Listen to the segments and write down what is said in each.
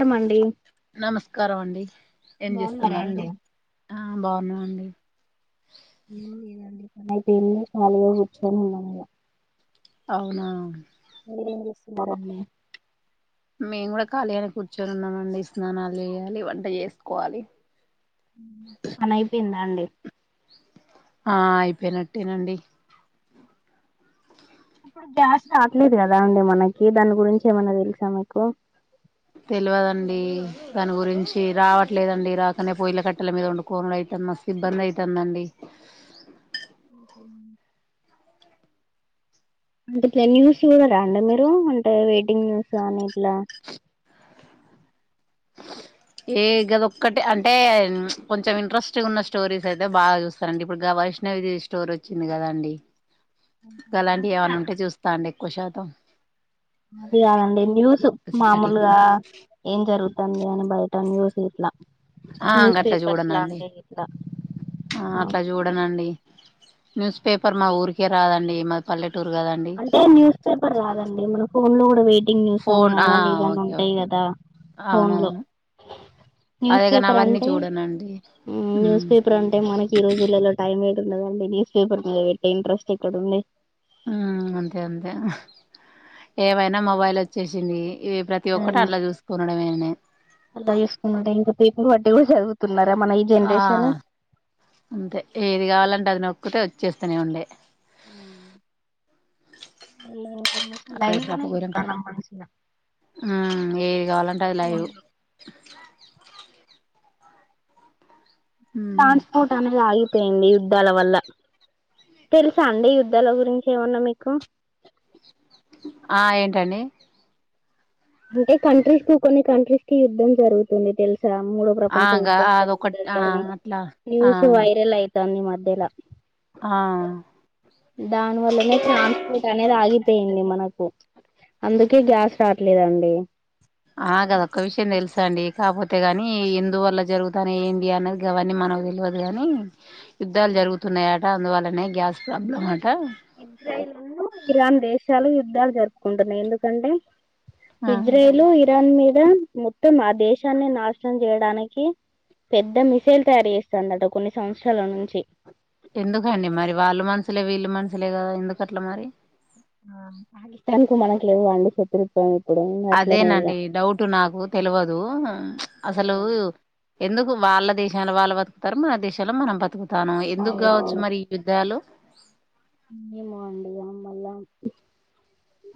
నమస్కారమండి నమస్కారం అండి ఏం బాగున్నారా అండి చేస్తున్నారండి ఆ బాగున్నామండి. ఏం లేదండి పనైపోయింది కాళీగా కూర్చొని ఉన్నాం ఇగ అవునా మీరేం చేస్తున్నారండి మేము కూడా ఖాళీ అని కూర్చొని ఉన్నామండి స్నానాలు చేయాలి వంట చేసుకోవాలి పని అయిపోయింద అండి ఆ అయిపోయినట్టేనండి ఇప్పుడు గ్యాస్ రాట్లేదు కదా అండి మనకి దాని గురించి ఏమైన్నా తెలుసా మీకు తెల్వదండి దాని గురించి రావట్లేదండి రాకనే పొయిల కట్టల మీద వండు కోనుడు అయితంది మస్తు ఇబ్బంది అవుతుందండి హో అంటే ఇలా న్యూస్ చూడరా అండి మీరు అంటే వెయిటింగ్ న్యూస్ కాని ఇట్లా ఏ గద ఒక్కటి అంటే కొంచెం ఇంట్రెస్ట్ ఉన్న స్టోరీస్ అయితే బాగా చూస్తనండి ఇప్పుడు వైష్ణవిది స్టోరీ వచ్చింది కదా అండి గలాంటివి ఏమనా ఉంటే చూస్తా అండి ఎక్కువ షాతం ఇది కాదండి న్యూస్ మామూలుగా ఏం జరుగుతు తుంది అని బయట న్యూస్ ఇట్ల ఆ న్యూస్ గట్లా పేపర్స్ చూడనండి లాంటే ఇలా ఆ అట్లా చూడనండి న్యూస్ పేపెర్ మా ఊరికే రాదండి మా పల్లెట అంటే న్యూస్ పేపర్ రాదండి మనం ఫోన్లో కూడా వెయిట్ వెయిటింగ్ న్యూస్ అని ఫోన్ ఆ అదని ఇదని ఓకే ఉంటయి ఓకే కదా ఫోన్లో అవునవును న్యూన్ అదేగాని పేపర్ అవన్నీ అంటె చూడనండి ఉమ్ న్యూస్ పేపర్ అంటే ఈ రోజుల్లో టైమ్ ని బట్టి న్యూస్ ప్యాపర్ చూడ్డానికి ఇంట్రెస్ట్ ఎక్కడ ఉన్నాంది ఉమ్ అంతె అంతె ఏమైనా మొబైల్ వచ్చేసింది ఇవి ప్రతి ఒక్కటి ఉమ్ అట్లా చూసుకునడమేనే అట్ట చూసుకునుట ఇక పేపర్ పట్టే చదువుతున్ ఆ అంతె ఏది కావాలంటే అది న క్కుటే వచ్చేస్తూనే ఉండే అ [inaudible] లైవ్ లోనే అక్కడపు పోర ఎక్కడ చూస్తానం మంచిగా ఏది కావాలంటే అది లైవ్ ఉమ్ ట్రాన్స్పోర్ట్ అనే లాగి పోయింది యుద్ధాల వల్ల తెలుసా అండి యుద్ధాల గురించి ఏమన్నా మీకు ఆ ఏంటండి అంటె కంట్రీస్ కు కొన్ని కంట్రీస్ కి యుద్దం జరుగుతుంది తెలుసు మూడో ఆ ప్రపంచ గా యుద్ధం అదొకటి జరుగుతుంది ఆ అని అట్లా ఆ న్యూస్ వైరల్ అయి తాంది మధ్యలా ఆ దాని వల్లనె ట్రాన్స్పోర్ట్ అనేది ఆగిపోయింది మనకు అందుకే గ్యాస్ రా ఇట్లేదండి ఆ గదా ఒక్క విషయం తెలుసా అండి కాకపోతే ని ఎందువల్ల జరుగుతనే ఏంటి అన్నది అవన్నీ మనకు తెలియదు కాగాని యుద్ధాలు జరుగుతున్నాయా అ అందువల్లనే గ్యాస్ ప్రాబ్లమ్ అంట ఇజ్రాయల్ ఇరాన్ దేశాలు యుద్ధాలు జరుపుకుంటున్నాయి ఎందుకంటే ఆ ఇజ్రేలు ఇరాన్ మీేద లెర్న్ మొత్తం ఆ దేశాన్ని నాశనం చేయడానికి పెద్ద మిసైల్ తయారు చేస్తుందట కొన్ని సంవత్సరాల నుంచి ఎందుకండి మరి వాళ్ళు మనుషులే వీళ్ళు మనుషులే కదా ఎందుకట్లా మరి ఆ పాకిస్తాన్ కు మనకు లేవా అండి శత్రుత్వం ఇప్పుడు అట్లనే ఇగ అదేనండి డౌట్ నాకు తెలవదు అసలు ఎందుకు వాళ్ళ దేశాలాలు వాళ్ళ బతుకుతారు మన దేశలో మనం బతుకు తను ఎందుకు కావచ్చు అవునవును మరి యుద్ధాలు ఏమో అండి మళ్ళ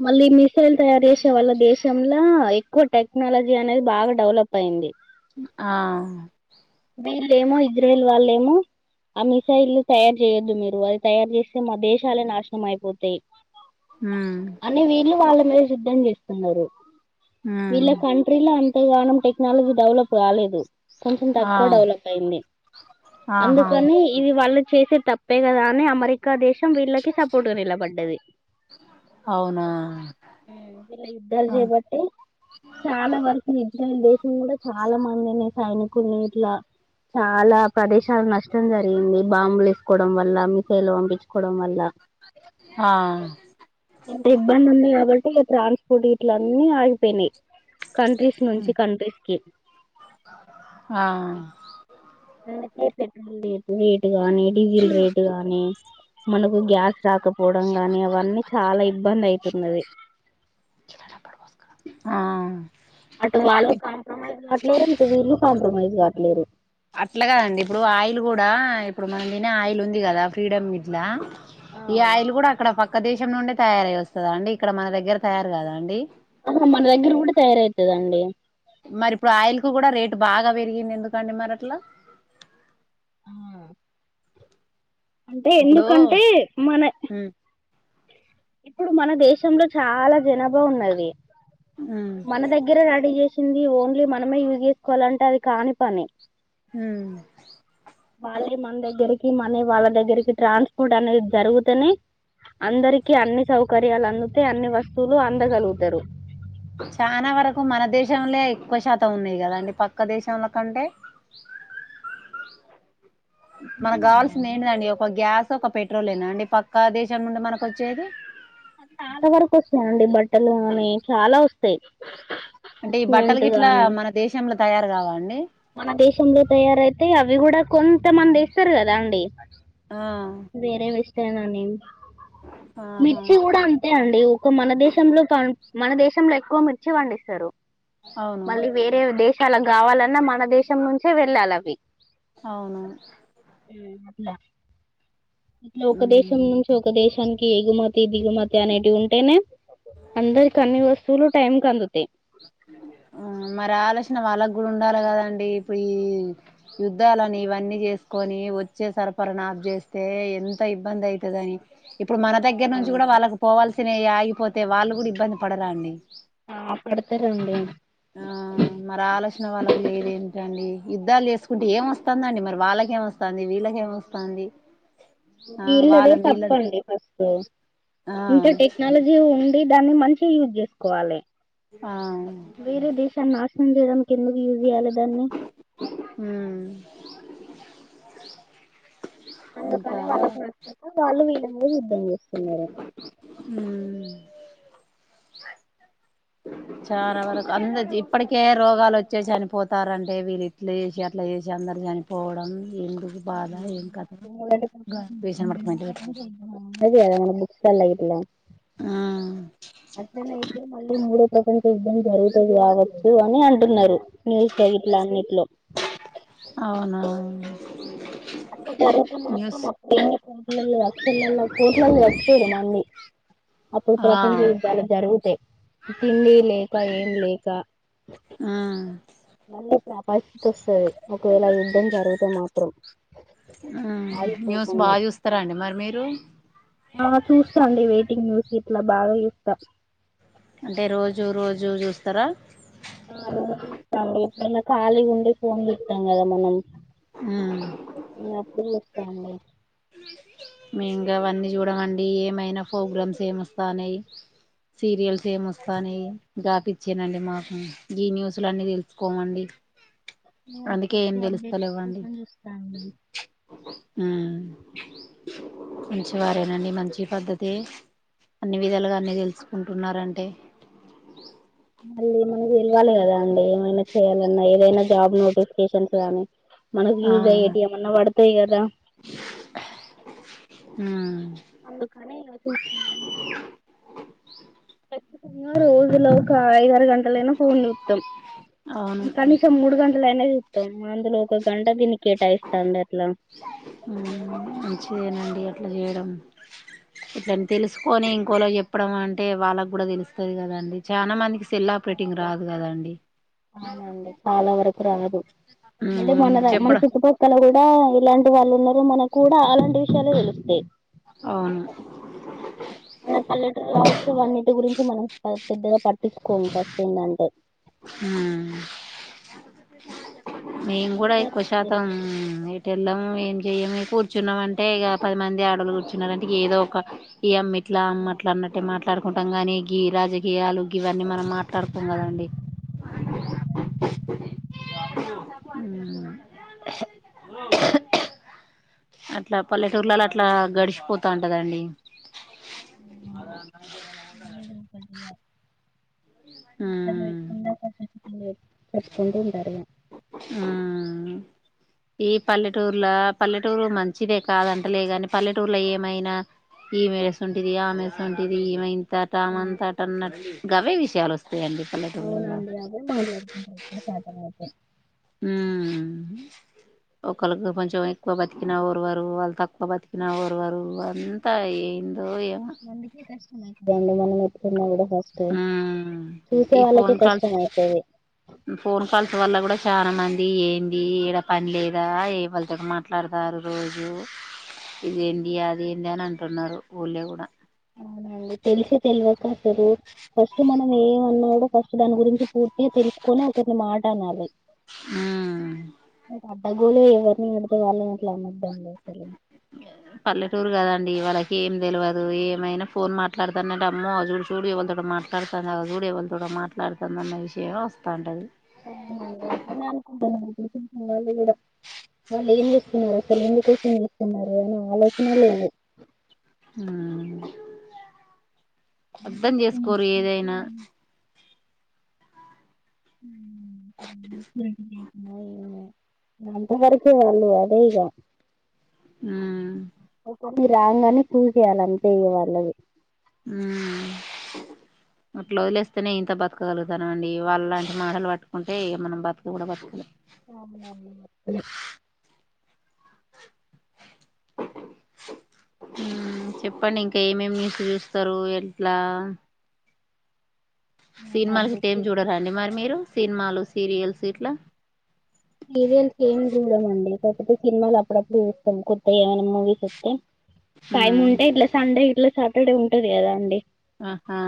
మళ్ళీ మిసైల్ తయారు చేసే వాళ్ళ దేశంలా ఎక్కువ టెక్నాలజీ అనేది బాగా డెవలప్ అయింది ఆ వీళ్ళ ఏమో ఇజ్రాయల్ వాళ్ళేమో ఆ మిసైల్ తయారు చేయొద్దు మీరు అది తయారు చేస్తే మా దేశాలే నాశనం అయిపోతయి ఉమ్ అని వీళ్ళు వాళ్ళ మీ సిద్ధం చేస్తున్నారు ఉమ్ వీళ్ల కంట్రోల్ లో అంత అంతగణం టెక్నాలజీ డెవలప్ కాలేదు కొంచెం తగ్ ఆ ఎక్కువ డెవలప్ అయింది ఆహా అందుకనీ ఇది వాళ్ళ చేసే తప్పే కదా అని అమెరిక్ రికా దేశం వీళ్ళకి సపోర్ట్గా నిలబడ్డది అవునా హా వీళ్ళ యుద్ధాలు ఆ చేయాబట్టే చాలా వరకు [unintelligible] కూడా చాలా మందిని సైనికుల్ని ఇట్లా చాలా ప్రదేశాలు నష్టం జరిగింది బాంబులు ఏసుకోవడం వల్ల మిసైల్ పంపించుకోవడం వల్ల ఆ ఇంత ఇబ్బంది ఉంది కాబట్ ట్రాన్స్పోర్ట్ గిట్ల అన్నీ ఆగిపోయినయి కంట్రీస్ నుంచి కంట్రీస్ కి ఆ పెట్రోల్ రేట్ గానీ డీజిల్ రేట్ గానీ మనకు గ్యాస్ రాకపోవడం గానీ అవన్నీ చాలా ఇబ్బంది అయితున్నది ఆ అటు వాళ్ళు కాంప్రమైజ్ అవట్లేరు ఇటు వీళ్ళు కాంప్ కాంప్రమైజ్ కాట్లేరు అట్లా కాదండి. ఇప్పుడు ఆయిల్ కూడా ఇప్పుడు మనం తినే ఆయిల్ ఉంది కదా ఫ్రీడమ్ గిట్లా ఈ ఆయిలు కూడా అక్కడ పక్ పక్క దేశం నుండే తయారయి వస్తదా అండి. ఇక్కడ మన దగ్గర తయారు కదా అండి. అవును మన దగ్గర కూడ తయారాయితదండి. మరి ఇప్పుడు ఆయిల్ కు కూడా రేటు బాగా పెరిగింది. ఎందుకండి మరి అట్లా అంటే ఇప్పుడు ఎందుకంటే మన ఉమ్ ఇప్పుడు మన దేశంలో చాలా జనాభా ఉన్నది. ఉమ్ మన దగ్గర రెడీ చేస్ వచ్చింది ఓన్లీ మనమే యూజ్ చేసుకోవాలంటే అది కాని పని ఉమ్ వాళ్ళే మన దగ్గరికి మనీ వాళ్ళ దగ్గరికి ట్రాన్స్పోర్ట్ అనేది జరుగుతేనే అందరికి అన్ని సౌకర్యాలు అందితే అన్ని వస్తువులు అందగలుగుతరు చానా వరకు మన దేశంలే ఎక్కువ శాతం ఉన్నయి కదా అండి పక్క దేశంలో కంటే మనకు కావాల్సింది ఏంటిదండి ఒక గ్యాస్ ఒక పెట్రోలే ఏనా అండి పక్కా దేశం నుండి మనకు వచ్చేది. చాలా వరకు వస్తాండి. బట్టలు అని చాలా వస్త అంటే ఈ బట్టలు గిట్లా గాని మన దేశంలో తయారు కావండి మన దేశంలో తయారయితే అవి కూడా కొంతమంది ఇస్తారు. కదా అండి ఆ వేరే విస్తే న నేం ఆహా మిర్చి కూడా అంతే అండి. ఒక మన దేశంలో ప మన దేశంలో ఎక్కువ మిర్చి పండిస్తారు. అవును మళ్ళీ వేరే దేశ చాలా కావాలన్నా మన దేశం నుంచే వెళ్ళాలి అవి అవునవును లా ఇట్లా ఒక దేశం మ్మ్ నుంచి ఒక దేశం మానికి ఎగుమతి, దిగుమతి అనేటివి ఉంటేనే అందరి అన్ని వస్తువులు టైమ్ కందుంది. ఆ మరి ఆలోచన ఆ వాళ్ళకు కూడా ఉండాలి. కదండి. ఇప్పుడు ఈ యుద్ధాలని ఇవన్నీ చేసుకొని వచ్చే సరఫరా ఆఫ్ చేస్తే ఎంత ఇబ్బంది అయితది అని ఇప్పుడు మన దగ్గర నుంచి కూడా అవునండి వాళ్ళకి పోవల్సినవి ఆగిపోతే అయితే వాళ్ళు కూడా ఇబ్బంది పడరా అండి. ఆ పడతారండి ఆ మరి ఆలోచన వాళ్ళకు లేదే ఏంటండి. యుద్ధాలు చేసుకుంటే ఏమ్ వస్తందండి. మరి వాళ్ళకేమొస్తుంది వీళ్ళకేమ్ వస్తంది. వీళ్ళదే తప్పండి ఫస్ట్ ఆ ఇంత టెక్నాలజీ ఉం దాన్ని మంచిగ యూజ్ చేసుకోవాలె ఆ ఇంకేదన్ ఎందు చూపియ్యాలె దాన్ని ఉమ్ ఇంకా అందుకని వాళ్ళకి నచ్చక వాళ్ళు వీళ్ళు ఏం యుద్దం చేస్తున్నారు మ్మ్ చాలా వరకు అంద ఇప్పటికే రోగాలు వచ్చే చనిపోతార్రంటే వీళ్ళు ఇట్లా చేసి అట్లా చేసి అందరు చనిపోవడం ఎందుకు బాధ ఏం కథ పేషెంట్ పట్టుకుపోయింటే పెట్టు [unintelligible] బుక్స్ లల్ల ఇలా అసనే ఇతే మళ్ళీ మూడ ప్రక యుద్దం జరుగుతాది కాబట్టి అని అంటున్నారు న్యూస్ లో గిట్లా అన్నిట్లో అవును అట్లా జరుగుతే మాత్రం న్యూస్ అప్పుడు [inaudible] కోట్లల్లో చచ్చిపోయడు మళ్ళీ అప్పుడు ఆ ప్రపంచ యుద్ధాలు జరుగు తే తిండి లేక ఏం లేక ఉమ్ ఆ పరిస్థితి వస్తుది ఒకవేళ యుద్ధం జరిగితే మాత్ర [unintelligible] మ్ న్యూస్ బా ఆగిపోకుండా చూస్తారా అండి మరి మీరు ఆ చూస్తా అండి వెయిటింగ్ న్యూస్ ఇట్లా బాగా చూత్తా అంటే రోజూ రోజూ చూస్తారా ఆ రోజు చూస్తా అండి మైనా ఖాళీగుంటే ఫోన్ చూత్తాం కదా మనం ఉమ్ [inaudible] అప్పుడు చూస్తా అండి మేం గవన్నీ చూడమండి ఏమైనా ఫోగ్రామ్స్ ఏమొస్తాన్నాయ్ సీరియల్ ఏమొస్తానాయ్ గాపి చ్చేనండి మాకు గీ న్యూస్ లన్నీ తెలుసుకోమండి నేను అందుకే ఏం అప్పుడప్పుడు అప్డేట్స్ తెలుస్తలేవండి కోసం చూస్తా అండి ఉమ్ అ చివారేనండి మంచి పద్ధతి అన్ని విధాలుగా అన్ని తెలుసుకుంటున్నారంటే మళ్ళీ [unintelligible] కి తెల్వాలి కదా అండి ఏమైనా చేయాలన్నా ఏదైనా జాబ్ నోటిఫికేషన్స్ గానీ మనకు ఆ యూజ్ అయ్యేటివేమన్నా పడతాయి కదా ఉ మ్ అందుకనీ ఇలా చూస్తుంది ఖచ్చితంగా రోజులో ఒక ఐదు ఆరు గంటలైనా ఫోన్ చూత్తం. అవును కనీసం మూడు గంటలయినా చూత్తం. అందులో ఒక గంటకు ఎన్ని కేటాయిస్తాంది అట్లా ఇట్లా చేయడం ఇట్లని తెలుసుకొని, ఇంకోలోకి చెప్పడం అంటే వాళ్ళకి కూడా తెలుస్తది కదండి. చాలా మందికి సెల్ ఆపరేటింగ్ రాదు కదా అండి అవునండి చాలా వరకు రాదు మళ్ళీ ఉమ్ మన మన చెప్పడం చుట్టుపక్కల కూడా ఇలాంటి వాళ్ళు ఉన్నారు. మనకు కూడా అలాంటి విషయాలే తెలుత్తాయి. అవును మన పల్లెటూర్ కాబట్టి అవన్నిటి గురించి మనం పెద్దగా పట్టించుకోము ఫస్ట్ ఏందంటే హుమ్ మేము కూడా ఏదో ఎక్కువ శాతం వెళ్ళం ఏం చెయ్యము కూర్చున్నాం అంటే, ఇక పది మంది ఆడలు కూర్చున్నారు అంటే, ఏదో ఒక ఈ అమ్మి ఇట్లా అమ్మ అట్ల అన్నట్టే మా మాట్లాడుకుంటాం గాని గి రాజకీయాలు ఇవన్నీ మనం మాట్లాడుకోం కదండి. అట్లా పల్లెటూర్లలో అట్లా గడిచిపోతా ఉంటదండి. అద సరకుంద అ పెట్టుకుంటు ఉంటరు ఆ ఈ పల్లెటూర్లో పల్లెటూరు మంచిదే కాదంటలే కాని పల్లెటూర్లో ఏమైనా, ఈ మే ఎస్ ఉంటిది ఆమె స్ంటంటిది ఏమై టతామంతాటన్న గవే విషయాలు వస్ అవునండి అవే మాట్లాడుకుంటరు సాధ్యం అయితే ఉమ్ ఒకళకి కొంచెం ఎక్కువ బతికినా ఒరువరు వాళ్ళు తక్కువ బతికినా ఓరువరు అంతా ఏం నందుకే కష్టమే అండి మ మనకి కూడా ఫస్ట్ ఆ చూసే ఈ వాళ్ళకే ఫోన్ కాల్స్ కష్టం అయితది ఫోన్ కాల్స్ వల్ల కూడా చాలా మన్ ఇది ఏంది ఈడ పని లేదా ఏ వాళ్ళతోని మాట్లాడతారు. రోజు ఇదేంది అదేంది అని అంటున్నారు ఊళ్ళో కూడా. అండి తెలిసి తెలివక్ ట్టడు ఫస్ట్ మనం ఏమన్నాడో ఫస్ట్ దాని గురించి పూర్తిగ తెలుసుకొని ఒకరిని మాట అనాలి. ఉమ్ ఒక ఆ గోలు ఎవరిని అడితే వాళ్లె ఎట్లా అ పల్లెటూర్గాదా అండి వాళ్ళకి ఏం తెలియదు ఏమైనా ఫోన్ మాట్లాడుతానే అమ్మో ఆజుడు చూడు ఎవళతో మాట్లాడుతుంది ఆ చూడు ఎవళతో నో మాట్లాడుతుందిన్న విషయం వస్తాంట అది అట్లనే అనుకుంటరండి ఈడకూడ ఏం చేస్తున్నారు అసలు ఎందుకోసం చేస్తున్నారు అని ఆలోచనే లేదు ఉమ్ అర్థం ఇష్టం చేసుకోరు ఏదైనా అయి అంతవరకే వాళ్ళు అదే ఇక ఉమ్ ఒక రాంగానే ప్రూ చేేయాల అంతే వాళ్ళవి ఉమ్ అట్లా వదిలేస్తేనే ఇంత బతకగలుగుతాను అండి వాళ్ళ లాంటి మాటలు పట్టుకుంటే ఇంకా మనం బతకను కూడా బతకలేం. అవునవును. ఉమ్ చెప్పండి ఇంకా ఏమేమి న్యూస్ చూస్తారు ఎట్లా సినిమాలు ఇట్టేం ఏం చూడారండి మరి మీరు సినిమాలు సీరియల్స్ ఇట్లా సీరియల్స్ ఏమి చూడం అండి కాకపోతే సినిమాలు అప్పుడప్పుడు చూస్తాం కొత్త ఏమైనా మూవీస్ వస్తే టైం ఉమ్ ఉంటే ఇట్ల సండే ఇట్ల సాటర్డే ఉంటది కదా అండి ఆహా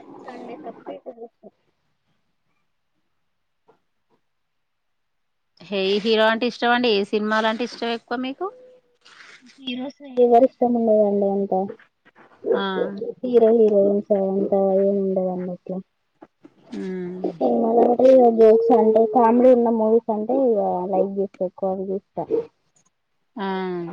అప్పుడు సండే సపరేటుగా చూస్తాం ఏ హీరో అంటే ఇష్టం అండి ఏ సినిమాలు అంటే ఇష్టం ఎక్కువ మీకు ఎవరు ఇష్టం ఉండదండి అంతా ఆ హీరో హీరోయిన్స్ కదండి అలా ఏం ఉండదండి అట్ల ఉమ్ నేను మల్ల చయ్యన్ జోక్స్ అంటే కామెడీ ఉన్న మూవీస్ అంటే ఇగ లైక్ చేస్తా ఎక్కువ చూస్త ఆహ్